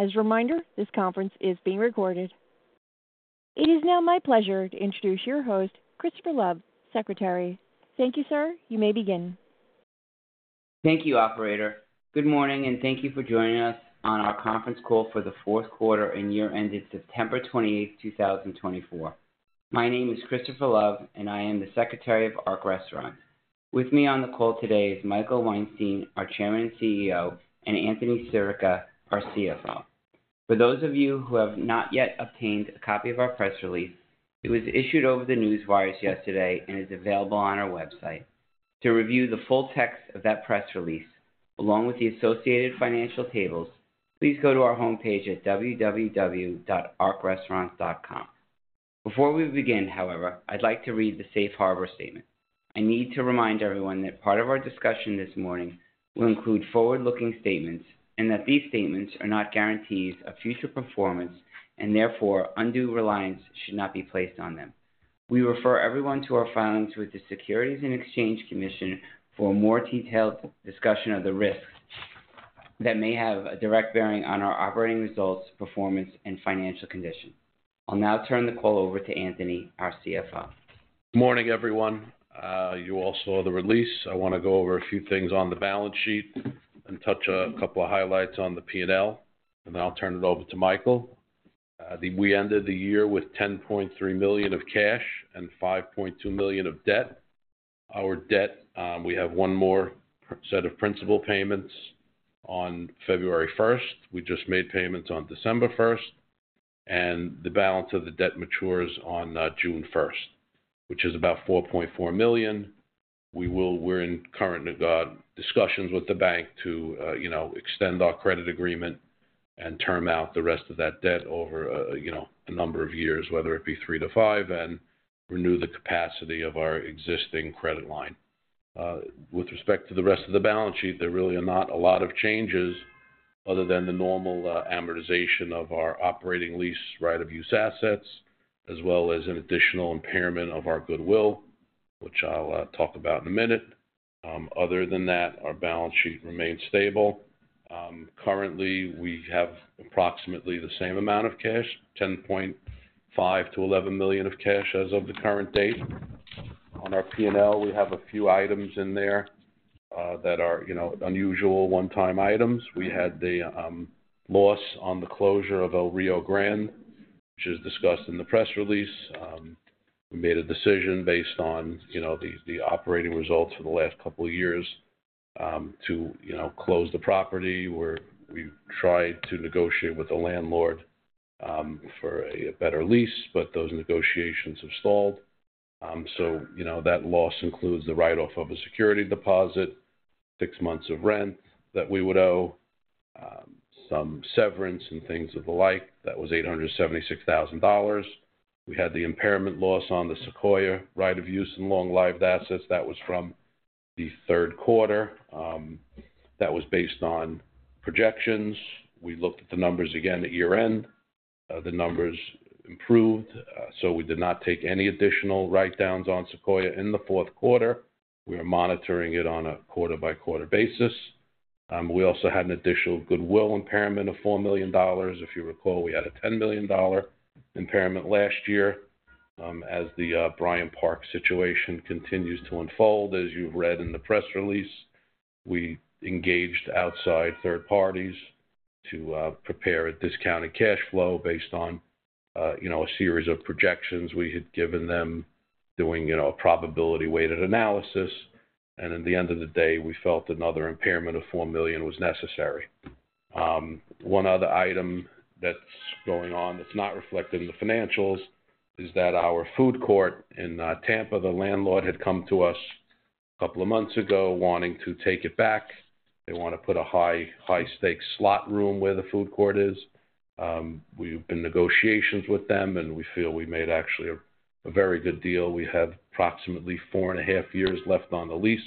As a reminder, this conference is being recorded. It is now my pleasure to introduce your host, Christopher Love, Secretary. Thank you, sir. You may begin. Thank you, Operator. Good morning, and thank you for joining us on our conference call for the fourth quarter and year-ending September 28, 2024. My name is Christopher Love, and I am the Secretary of Ark Restaurants. With me on the call today is Michael Weinstein, our Chairman and CEO, and Anthony Sirica, our CFO. For those of you who have not yet obtained a copy of our press release, it was issued over the newswires yesterday and is available on our website. To review the full text of that press release, along with the associated financial tables, please go to our homepage at www.arkrestaurants.com. Before we begin, however, I'd like to read the Safe Harbor Statement. I need to remind everyone that part of our discussion this morning will include forward-looking statements and that these statements are not guarantees of future performance and therefore undue reliance should not be placed on them. We refer everyone to our filings with the Securities and Exchange Commission for a more detailed discussion of the risks that may have a direct bearing on our operating results, performance, and financial condition. I'll now turn the call over to Anthony, our CFO. Good morning, everyone. You all saw the release. I want to go over a few things on the balance sheet and touch a couple of highlights on the P&L, and then I'll turn it over to Michael. We ended the year with $10.3 million of cash and $5.2 million of debt. Our debt, we have one more set of principal payments on February 1. We just made payments on December 1, and the balance of the debt matures on June 1, which is about $4.4 million. We're in current discussions with the bank to extend our credit agreement and term out the rest of that debt over a number of years, whether it be three to five, and renew the capacity of our existing credit line. With respect to the rest of the balance sheet, there really are not a lot of changes other than the normal amortization of our operating lease right-of-use assets, as well as an additional impairment of our goodwill, which I'll talk about in a minute. Other than that, our balance sheet remains stable. Currently, we have approximately the same amount of cash, $10.5-$11 million of cash as of the current date. On our P&L, we have a few items in there that are unusual, one-time items. We had the loss on the closure of El Rio Grande, which is discussed in the press release. We made a decision based on the operating results for the last couple of years to close the property. We tried to negotiate with the landlord for a better lease, but those negotiations have stalled. That loss includes the write-off of a security deposit, six months of rent that we would owe, some severance, and things of the like. That was $876,000. We had the impairment loss on the Sequoia right-of-use and long-lived assets. That was from the third quarter. That was based on projections. We looked at the numbers again at year-end. The numbers improved, so we did not take any additional write-downs on Sequoia in the fourth quarter. We are monitoring it on a quarter-by-quarter basis. We also had an additional goodwill impairment of $4 million. If you recall, we had a $10 million impairment last year. As the Bryant Park situation continues to unfold, as you've read in the press release, we engaged outside third parties to prepare a discounted cash flow based on a series of projections. We had given them doing a probability-weighted analysis, and at the end of the day, we felt another impairment of $4 million was necessary. One other item that's going on that's not reflected in the financials is that our food court in Tampa, the landlord, had come to us a couple of months ago wanting to take it back. They want to put a high-stakes slot room where the food court is. We've been in negotiations with them, and we feel we made actually a very good deal. We have approximately four and a half years left on the lease,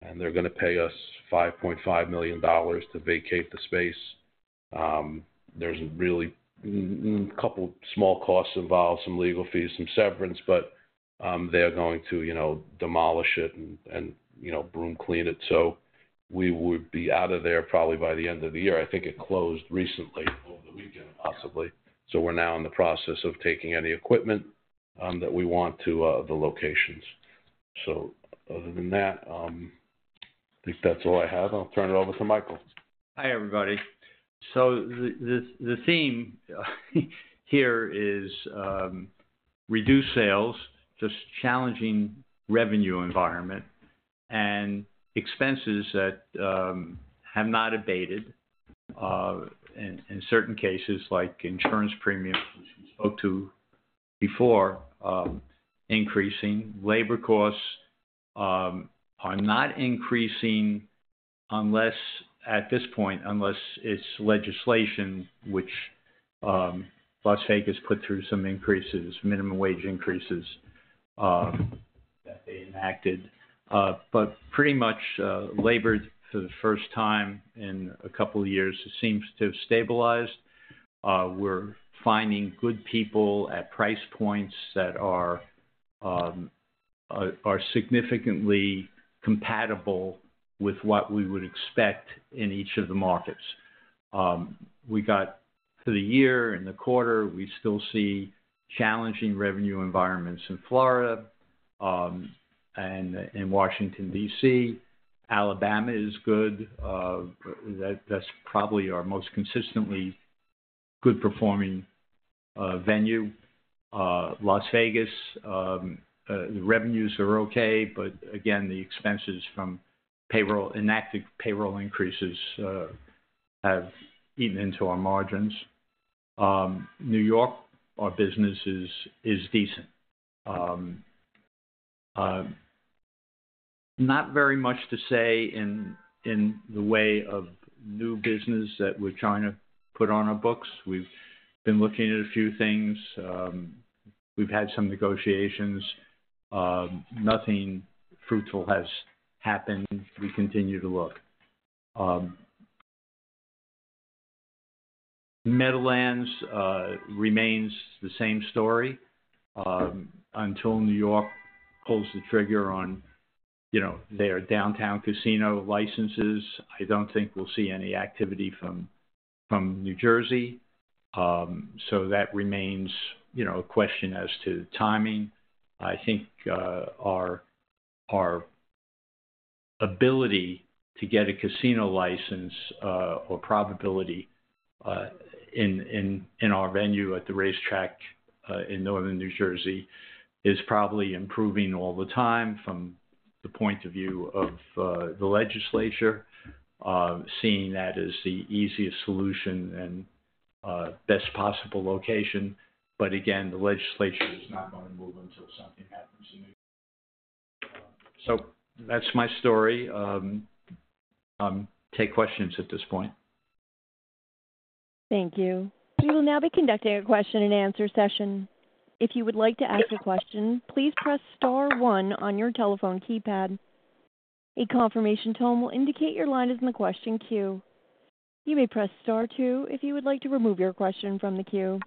and they're going to pay us $5.5 million to vacate the space. There's really a couple of small costs involved, some legal fees, some severance, but they're going to demolish it and broom-clean it. So we would be out of there probably by the end of the year. I think it closed recently, over the weekend, possibly. So we're now in the process of taking any equipment that we want to the locations. So other than that, I think that's all I have. I'll turn it over to Michael. Hi, everybody. So the theme here is reduced sales, just challenging revenue environment, and expenses that have not abated in certain cases, like insurance premiums, which we spoke to before, increasing. Labor costs are not increasing at this point unless it's legislation, which Las Vegas has put through some increases, minimum wage increases that they enacted. But pretty much labor, for the first time in a couple of years, seems to have stabilized. We're finding good people at price points that are significantly compatible with what we would expect in each of the markets. We got for the year and the quarter, we still see challenging revenue environments in Florida and in Washington, D.C. Alabama is good. That's probably our most consistently good-performing venue. Las Vegas, the revenues are okay, but again, the expenses from enacted payroll increases have eaten into our margins. New York, our business is decent. Not very much to say in the way of new business that we're trying to put on our books. We've been looking at a few things. We've had some negotiations. Nothing fruitful has happened. We continue to look. Meadowlands remains the same story until New York pulls the trigger on their downtown casino licenses. I don't think we'll see any activity from New Jersey. So that remains a question as to timing. I think our ability to get a casino license or probability in our venue at the racetrack in northern New Jersey is probably improving all the time from the point of view of the legislature, seeing that as the easiest solution and best possible location. But again, the legislature is not going to move until something happens in New Jersey. So that's my story. Take questions at this point. Thank you. We will now be conducting a question-and-answer session. If you would like to ask a question, please press Star 1 on your telephone keypad. A confirmation tone will indicate your line is in the question queue. You may press Star 2 if you would like to remove your question from the queue.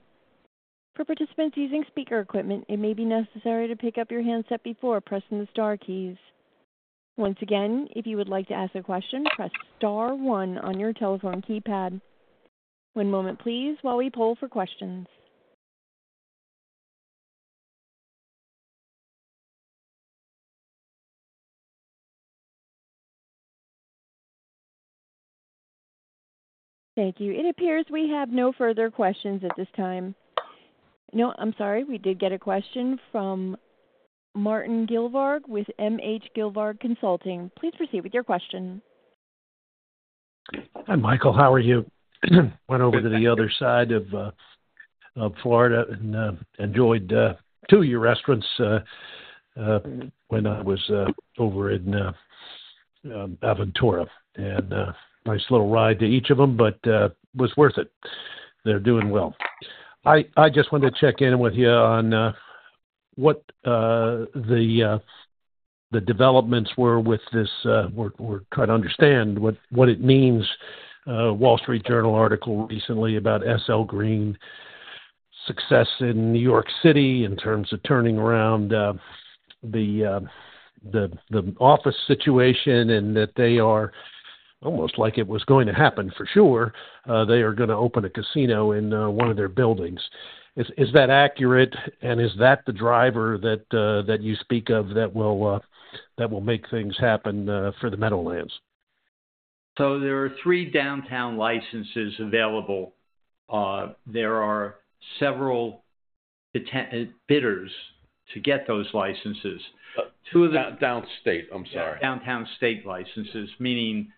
For participants using speaker equipment, it may be necessary to pick up your handset before pressing the Star keys. Once again, if you would like to ask a question, press Star 1 on your telephone keypad. One moment, please, while we pull for questions. Thank you. It appears we have no further questions at this time. No, I'm sorry. We did get a question from Martin Gilvarg with MH Gilvarg Consulting. Please proceed with your question. Hi, Michael. How are you? I went over to the other side of Florida and enjoyed two of your restaurants when I was over in Aventura, and nice little ride to each of them, but it was worth it. They're doing well. I just wanted to check in with you on what the developments were with this. We're trying to understand what it means. Wall Street Journal article recently about SL Green's success in New York City in terms of turning around the office situation and that they are almost like it was going to happen for sure. They are going to open a casino in one of their buildings. Is that accurate, and is that the driver that you speak of that will make things happen for the Meadowlands? There are three downtown licenses available. There are several bidders to get those licenses. Downstate, I'm sorry. Downstate licenses, meaning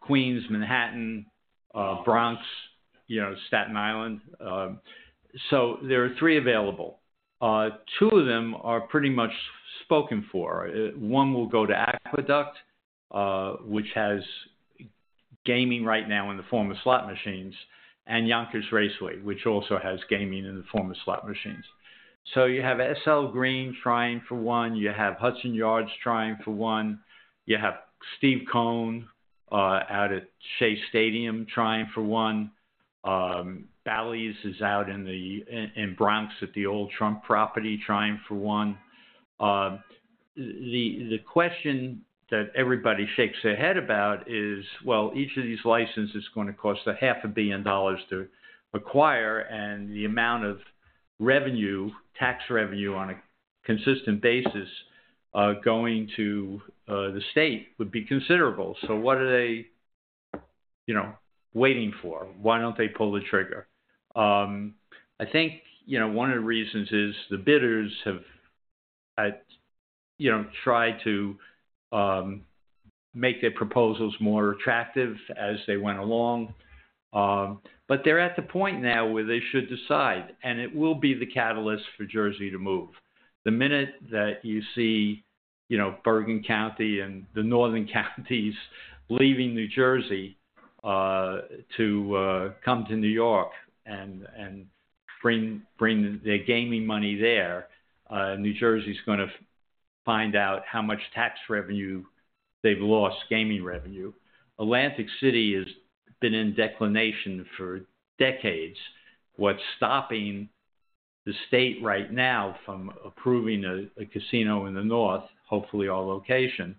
Queens, Manhattan, Bronx, Staten Island. So there are three available. Two of them are pretty much spoken for. One will go to Aqueduct, which has gaming right now in the form of slot machines, and Yonkers Raceway, which also has gaming in the form of slot machines. So you have SL Green trying for one. You have Hudson Yards trying for one. You have Steve Cohen out at Citi Field trying for one. Bally's is out in Bronx at the old Trump property trying for one. The question that everybody shakes their head about is, well, each of these licenses is going to cost $500 million to acquire, and the amount of tax revenue on a consistent basis going to the state would be considerable. So what are they waiting for? Why don't they pull the trigger? I think one of the reasons is the bidders have tried to make their proposals more attractive as they went along. But they're at the point now where they should decide, and it will be the catalyst for Jersey to move. The minute that you see Bergen County and the northern counties leaving New Jersey to come to New York and bring their gaming money there, New Jersey's going to find out how much tax revenue they've lost, gaming revenue. Atlantic City has been in decline for decades. What's stopping the state right now from approving a casino in the north, hopefully our location,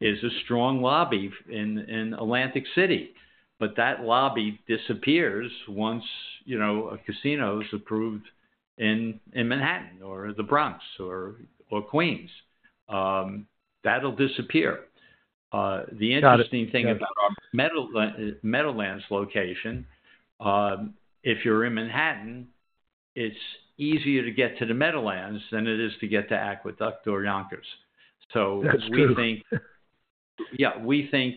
is a strong lobby in Atlantic City. But that lobby disappears once a casino is approved in Manhattan or the Bronx or Queens. That'll disappear. The interesting thing about our Meadowlands location, if you're in Manhattan, it's easier to get to the Meadowlands than it is to get to Aqueduct or Yonkers. So we think. That's interesting. Yeah. We think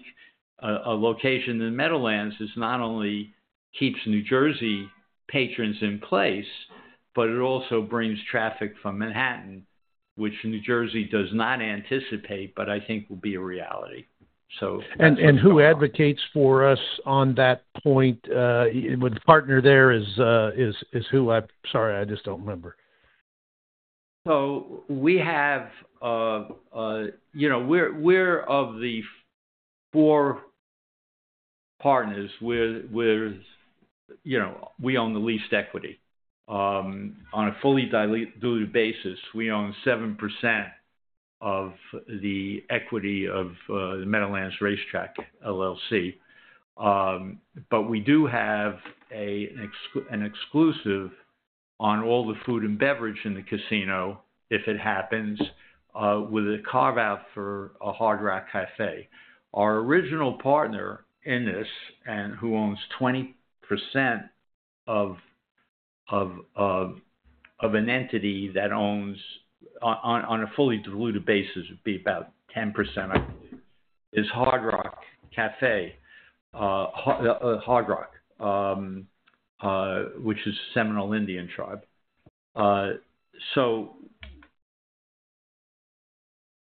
a location in the Meadowlands not only keeps New Jersey patrons in place, but it also brings traffic from Manhattan, which New Jersey does not anticipate, but I think will be a reality. So... And who advocates for us on that point? The partner there is who? I'm sorry. I just don't remember. So, we're one of the four partners where we own the least equity. On a fully diluted basis, we own 7% of the equity of Meadowlands Racetrack LLC. But we do have an exclusive on all the food and beverage in the casino if it happens, with a carve-out for a Hard Rock Cafe. Our original partner in this, who owns 20% of an entity that owns on a fully diluted basis would be about 10%, is Hard Rock Cafe, which is the Seminole Indian Tribe. So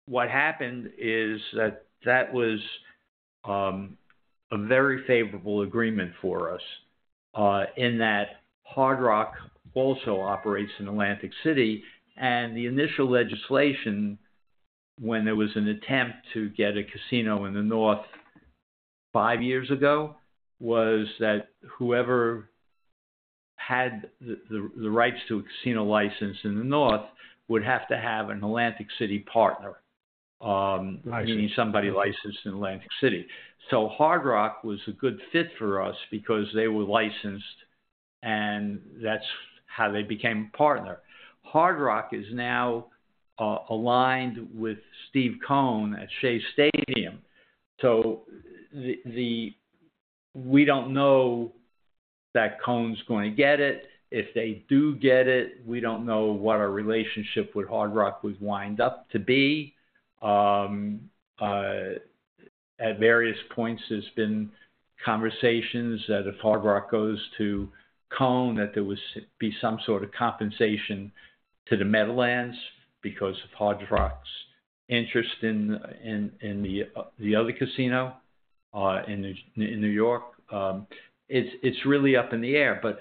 what happened is that that was a very favorable agreement for us in that Hard Rock also operates in Atlantic City. And the initial legislation, when there was an attempt to get a casino in the north five years ago, was that whoever had the rights to a casino license in the north would have to have an Atlantic City partner, meaning somebody licensed in Atlantic City. So Hard Rock was a good fit for us because they were licensed, and that's how they became a partner. Hard Rock is now aligned with Steve Cohen at Shea Stadium. So we don't know that Cohen's going to get it. If they do get it, we don't know what our relationship with Hard Rock would wind up to be. At various points, there's been conversations that if Hard Rock goes to Cohen, that there would be some sort of compensation to the Meadowlands because of Hard Rock's interest in the other casino in New York. It's really up in the air, but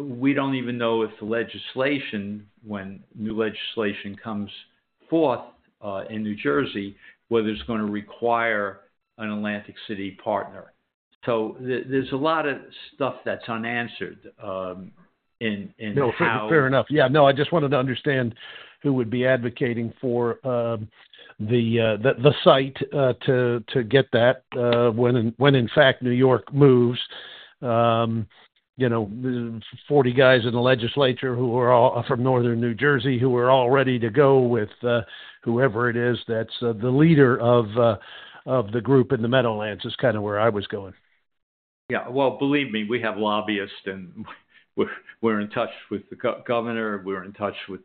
we don't even know if the legislation, when new legislation comes forth in New Jersey, whether it's going to require an Atlantic City partner. So there's a lot of stuff that's unanswered in. No, fair enough. Yeah. No, I just wanted to understand who would be advocating for the site to get that when, in fact, New York moves. 40 guys in the legislature who are from northern New Jersey who are all ready to go with whoever it is that's the leader of the group in the Meadowlands is kind of where I was going. Yeah. Well, believe me, we have lobbyists, and we're in touch with the governor. We're in touch with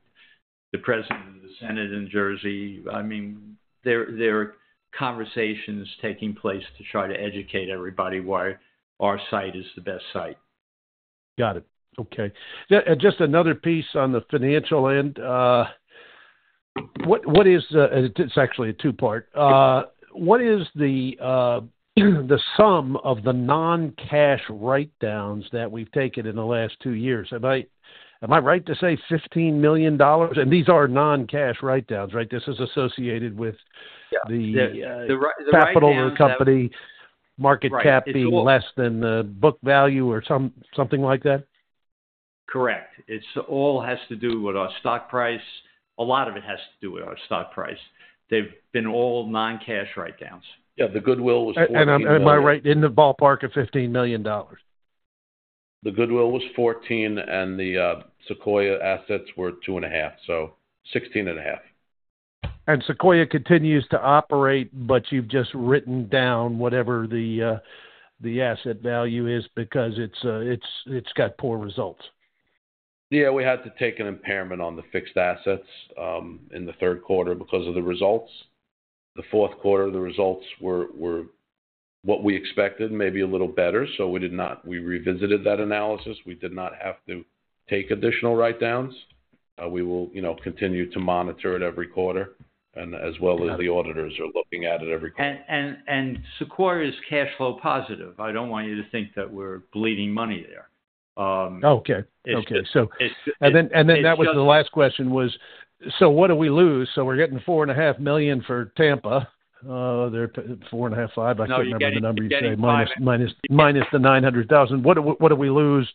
the president of the Senate in Jersey. I mean, there are conversations taking place to try to educate everybody why our site is the best site. Got it. Okay. Just another piece on the financial end. It's actually a two-part. What is the sum of the non-cash write-downs that we've taken in the last two years? Am I right to say $15 million? And these are non-cash write-downs, right? This is associated with the capital of the company, market cap being less than book value or something like that? Correct. It all has to do with our stock price. A lot of it has to do with our stock price. They've been all non-cash write-downs. Yeah. The goodwill was 14. Am I right in the ballpark of $15 million? The Goodwill was 14, and the Sequoia assets were 2.5, so 16.5. Sequoia continues to operate, but you've just written down whatever the asset value is because it's got poor results? Yeah. We had to take an impairment on the fixed assets in the third quarter because of the results. The fourth quarter, the results were what we expected, maybe a little better. So we revisited that analysis. We did not have to take additional write-downs. We will continue to monitor it every quarter, as well as the auditors are looking at it every quarter. Sequoia is cash flow positive. I don't want you to think that we're bleeding money there. Okay. Okay. And then that was the last question, was, so what do we lose? So we're getting $4.5 million for Tampa. They're $4.5-$5, I can't remember the number you said, minus the $900,000. What do we lose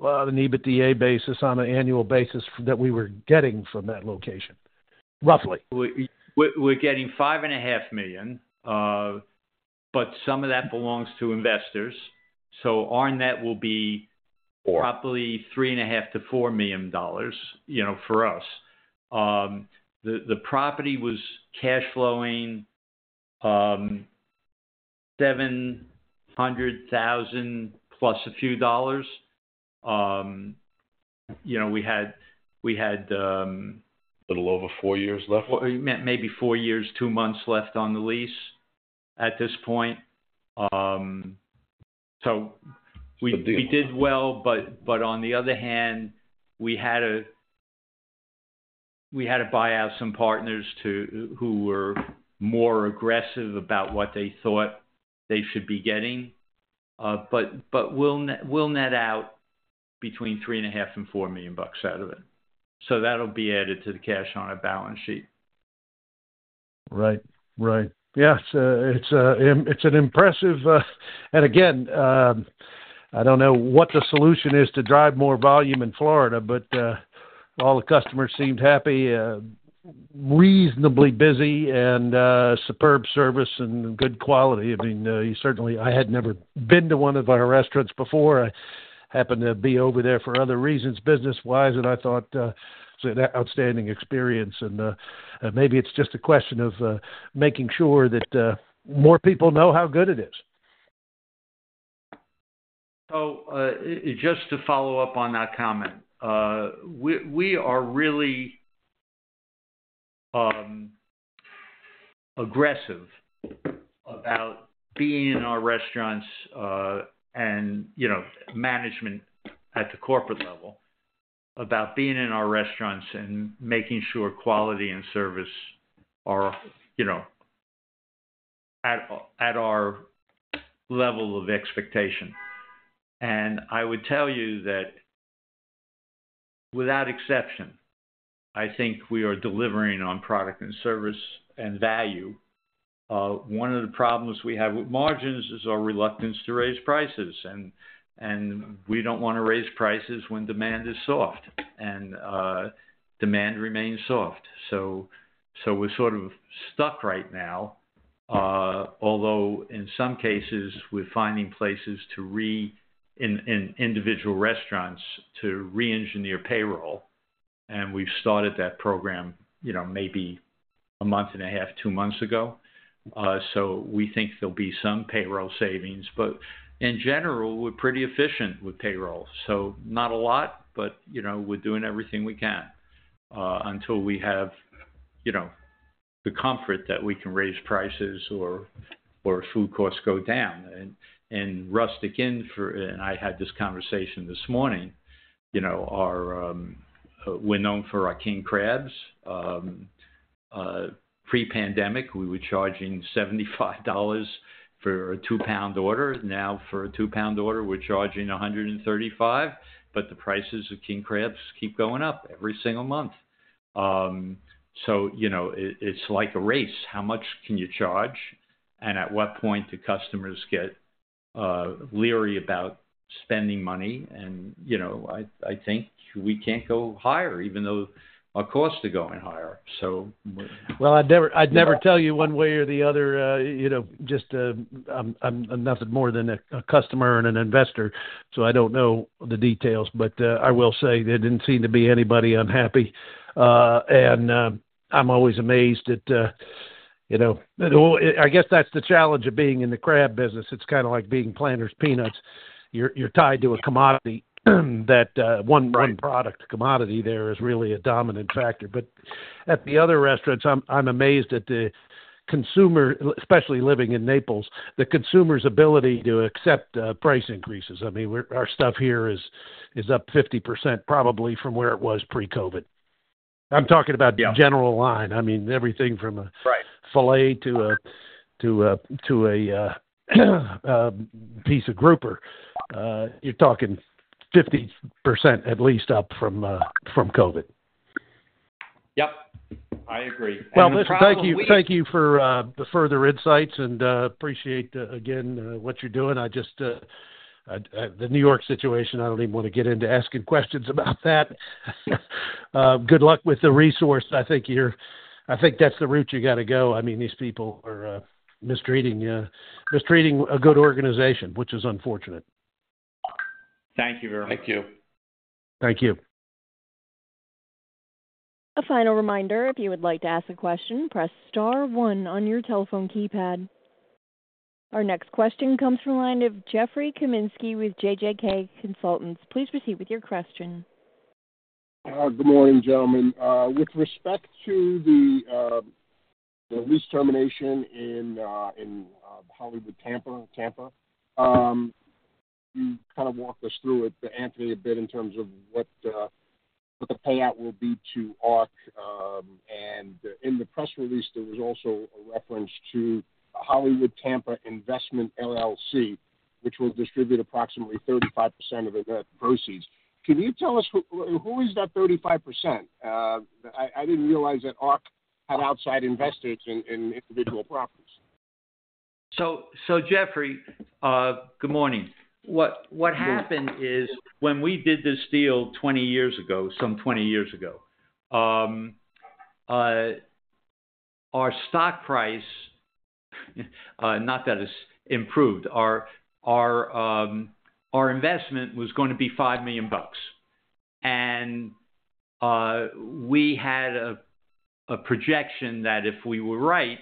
on an EBITDA basis on an annual basis that we were getting from that location, roughly? We're getting $5.5 million, but some of that belongs to investors. So our net will be probably $3.5-$4 million for us. The property was cash flowing $700,000 plus a few dollars. We had. A little over four years left? Maybe four years, two months left on the lease at this point. So we did well, but on the other hand, we had to buy out some partners who were more aggressive about what they thought they should be getting. But we'll net out between $3.5 million and $4 million out of it. So that'll be added to the cash on our balance sheet. Right. Right. Yeah. It's an impressive, and again, I don't know what the solution is to drive more volume in Florida, but all the customers seemed happy, reasonably busy, and superb service and good quality. I mean, I had never been to one of our restaurants before. I happened to be over there for other reasons, business-wise, and I thought it was an outstanding experience. And maybe it's just a question of making sure that more people know how good it is. So just to follow up on that comment, we are really aggressive about being in our restaurants and management at the corporate level, about being in our restaurants and making sure quality and service are at our level of expectation. And I would tell you that without exception, I think we are delivering on product and service and value. One of the problems we have with margins is our reluctance to raise prices. And we don't want to raise prices when demand is soft, and demand remains soft. So we're sort of stuck right now, although in some cases, we're finding places in individual restaurants to re-engineer payroll. And we've started that program maybe a month and a half, two months ago. So we think there'll be some payroll savings. But in general, we're pretty efficient with payroll. So, not a lot, but we're doing everything we can until we have the comfort that we can raise prices or food costs go down. And Rustic Inn, and I had this conversation this morning, we're known for our king crabs. Pre-pandemic, we were charging $75 for a two-pound order. Now, for a two-pound order, we're charging $135. But the prices of king crabs keep going up every single month. So it's like a race. How much can you charge? And at what point do customers get leery about spending money? And I think we can't go higher, even though our costs are going higher. So. Well, I'd never tell you one way or the other, just nothing more than a customer and an investor. So I don't know the details. But I will say there didn't seem to be anybody unhappy. And I'm always amazed at, I guess that's the challenge of being in the crab business. It's kind of like being Planters peanuts. You're tied to a commodity. One product, commodity there is really a dominant factor. But at the other restaurants, I'm amazed at the consumer, especially living in Naples, the consumer's ability to accept price increases. I mean, our stuff here is up 50%, probably from where it was pre-COVID. I'm talking about general line. I mean, everything from a filet to a piece of grouper. You're talking 50% at least up from COVID. Yep. I agree. Thank you for the further insights, and appreciate, again, what you're doing. The New York situation, I don't even want to get into asking questions about that. Good luck with the resource. I think that's the route you got to go. I mean, these people are mistreating a good organization, which is unfortunate. Thank you very much. Thank you. Thank you. A final reminder, if you would like to ask a question, press star one on your telephone keypad. Our next question comes from the line of Jeffrey Kaminsky with JJK Consultants. Please proceed with your question. Good morning, gentlemen. With respect to the lease termination in Hollywood Tampa, you kind of walked us through it, Anthony, a bit, in terms of what the payout will be to Ark. And in the press release, there was also a reference to Hollywood Tampa Investment LLC, which will distribute approximately 35% of the net proceeds. Can you tell us who is that 35%? I didn't realize that Ark had outside investors in individual properties. Jeffrey, good morning. What happened is when we did this deal 20 years ago, our stock price—not that it's improved—our investment was going to be $5 million. And we had a projection that if we were right,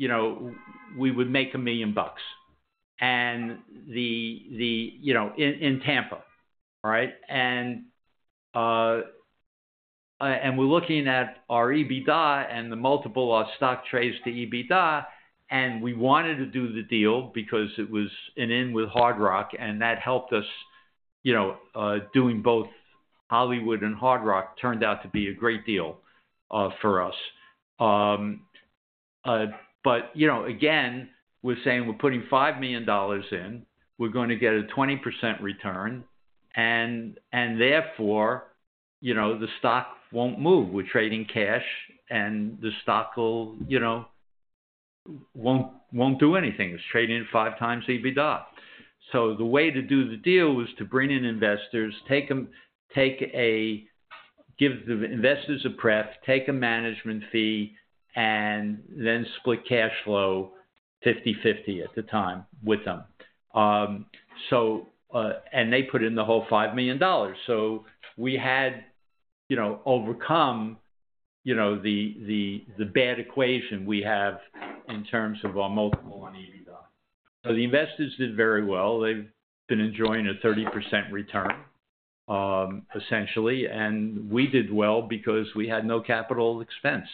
we would make $1 million in Tampa, right? And we're looking at our EBITDA and the multiple of our stock trades to EBITDA. And we wanted to do the deal because it was a win with Hard Rock. And that helped us doing both Hollywood and Hard Rock turned out to be a great deal for us. But again, we're saying we're putting $5 million in. We're going to get a 20% return. And therefore, the stock won't move. We're trading cash, and the stock won't do anything. It's trading five times EBITDA. So the way to do the deal was to bring in investors, give the investors a prep, take a management fee, and then split cash flow 50/50 at the time with them. And they put in the whole $5 million. So we had overcome the bad equation we have in terms of our multiple on EBITDA. So the investors did very well. They've been enjoying a 30% return, essentially. And we did well because we had no capital expense.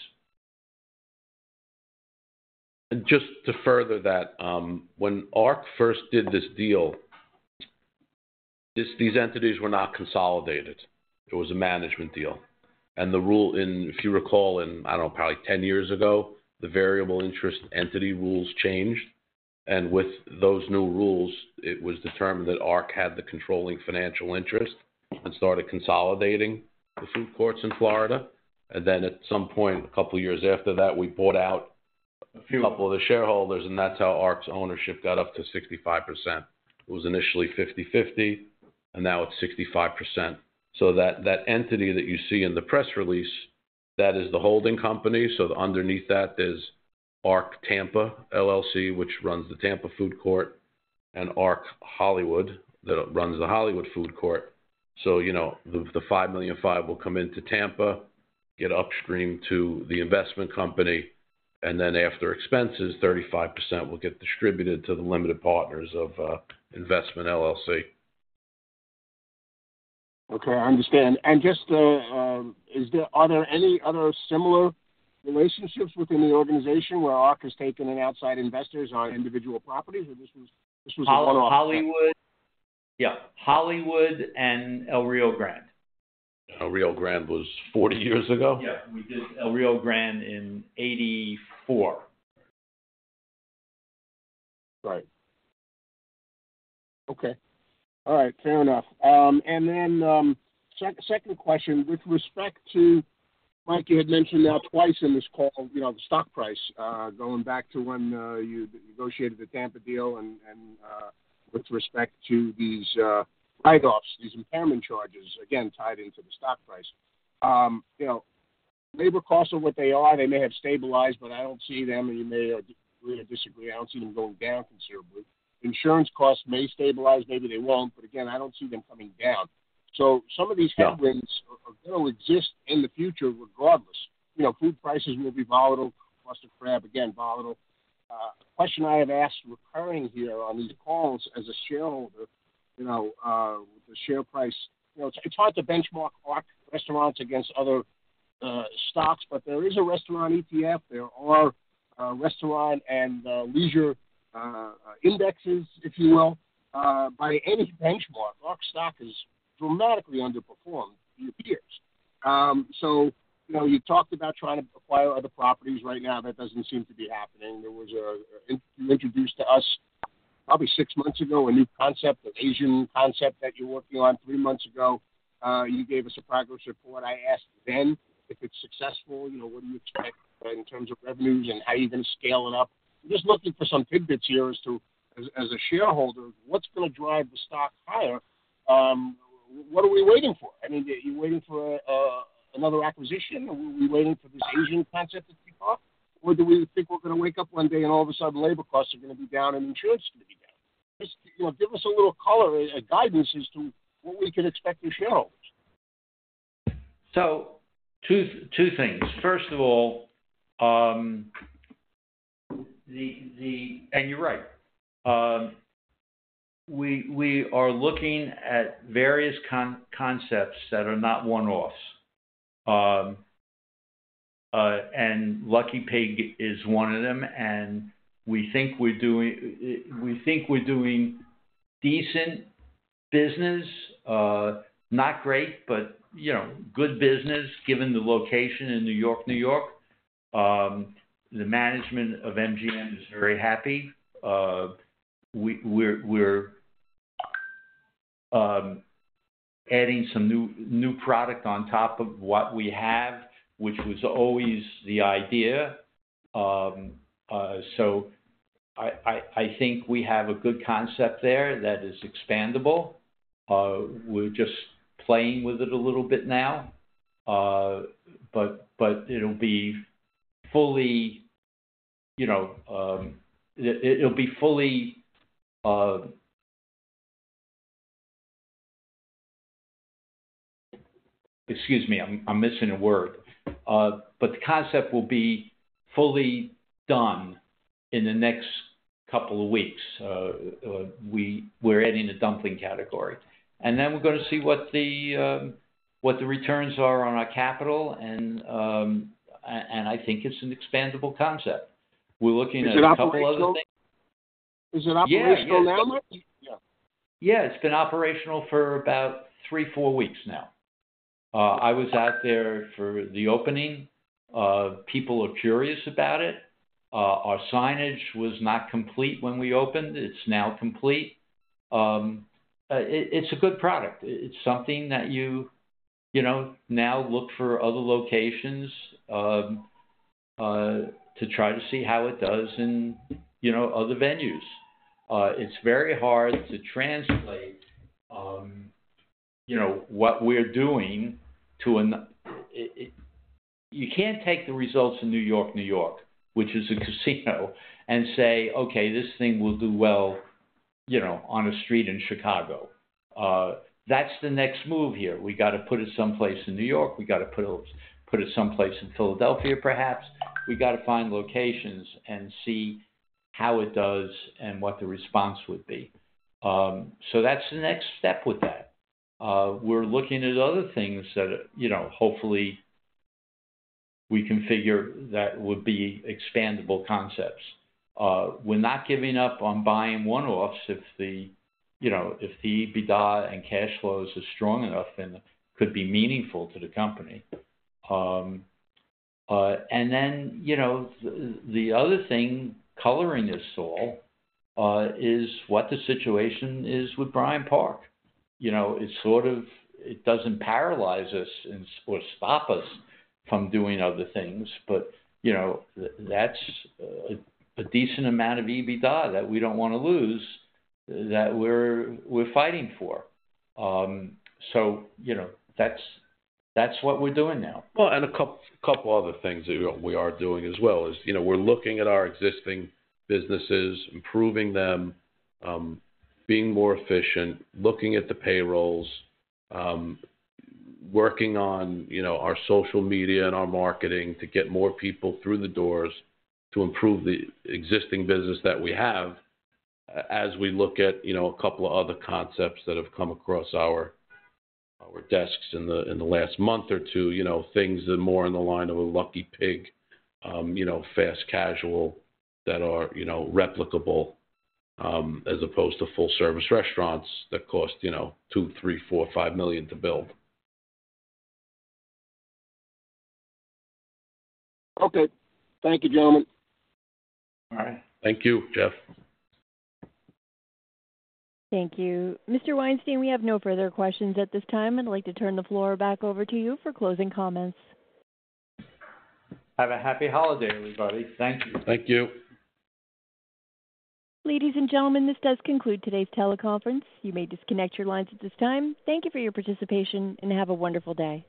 And just to further that, when Ark first did this deal, these entities were not consolidated. It was a management deal. And if you recall, I don't know, probably 10 years ago, the variable interest entity rules changed. And with those new rules, it was determined that Ark had the controlling financial interest and started consolidating the food courts in Florida. And then at some point, a couple of years after that, we bought out a couple of the shareholders, and that's how Ark's ownership got up to 65%. It was initially 50/50, and now it's 65%. So that entity that you see in the press release, that is the holding company. So underneath that is Ark Tampa LLC, which runs the Tampa Food Court, and Ark Hollywood that runs the Hollywood Food Court. The $5 million will come into Tampa, get upstream to the investment company, and then after expenses, 35% will get distributed to the limited partners of Investment LLC. Okay. I understand. And are there any other similar relationships within the organization where Ark has taken in outside investors on individual properties, or this was one-off? Yeah. Hollywood and El Rio Grande. El Rio Grande was 40 years ago? Yeah. We did El Rio Grande in 1984. Right. Okay. All right. Fair enough. And then second question, with respect to, Mike, you had mentioned now twice in this call, the stock price going back to when you negotiated the Tampa deal and with respect to these write-offs, these impairment charges, again, tied into the stock price. Labor costs are what they are. They may have stabilized, but I don't see them, and you may agree or disagree. I don't see them going down considerably. Insurance costs may stabilize. Maybe they won't. But again, I don't see them coming down. So some of these headwinds are going to exist in the future regardless. Food prices will be volatile, cost of crab, again, volatile. A question I have asked recurring here on these calls as a shareholder with the share price, it's hard to benchmark Ark Restaurants against other stocks, but there is a restaurant ETF. There are restaurant and leisure indexes, if you will. By any benchmark, Ark stock has dramatically underperformed, it appears. So you talked about trying to acquire other properties. Right now, that doesn't seem to be happening. You introduced to us, probably six months ago, a new concept, an Asian concept that you're working on. Three months ago, you gave us a progress report. I asked then if it's successful, what do you expect in terms of revenues and how you're going to scale it up. I'm just looking for some tidbits here as a shareholder. What's going to drive the stock higher? What are we waiting for? I mean, are you waiting for another acquisition? Are we waiting for this Asian concept that you talked? Or do we think we're going to wake up one day and all of a sudden, labor costs are going to be down and insurance is going to be down? Just give us a little color, a guidance as to what we can expect as shareholders. So two things. First of all, and you're right, we are looking at various concepts that are not one-offs. And Lucky Pig is one of them. And we think we're doing decent business, not great, but good business given the location in New York-New York. The management of MGM is very happy. We're adding some new product on top of what we have, which was always the idea. So I think we have a good concept there that is expandable. We're just playing with it a little bit now, but it'll be fully, excuse me, I'm missing a word. But the concept will be fully done in the next couple of weeks. We're adding a dumpling category. And then we're going to see what the returns are on our capital. And I think it's an expandable concept. We're looking at a couple of other things. Is it operational now, Mike? Yeah. It's been operational for about three, four weeks now. I was out there for the opening. People are curious about it. Our signage was not complete when we opened. It's now complete. It's a good product. It's something that you now look for other locations to try to see how it does in other venues. It's very hard to translate what we're doing to. You can't take the results in New York, New York, which is a casino, and say, "Okay, this thing will do well on a street in Chicago." That's the next move here. We got to put it someplace in New York. We got to put it someplace in Philadelphia, perhaps. We got to find locations and see how it does and what the response would be. So that's the next step with that. We're looking at other things that hopefully we can figure that would be expandable concepts. We're not giving up on buying one-offs if the EBITDA and cash flows are strong enough and could be meaningful to the company. And then the other thing, coloring this all, is what the situation is with Bryant Park. It doesn't paralyze us or stop us from doing other things, but that's a decent amount of EBITDA that we don't want to lose that we're fighting for. So that's what we're doing now. A couple of other things that we are doing as well is we're looking at our existing businesses, improving them, being more efficient, looking at the payrolls, working on our social media and our marketing to get more people through the doors to improve the existing business that we have. As we look at a couple of other concepts that have come across our desks in the last month or two, things that are more in the line of a Lucky Pig, fast casual that are replicable as opposed to full-service restaurants that cost $2 million, $3 million, $4 million, $5 million to build. Okay. Thank you, gentlemen. All right. Thank you, Jeff. Thank you. Mr. Weinstein, we have no further questions at this time. I'd like to turn the floor back over to you for closing comments. Have a happy holiday, everybody. Thank you. Thank you. Ladies and gentlemen, this does conclude today's teleconference. You may disconnect your lines at this time. Thank you for your participation and have a wonderful day.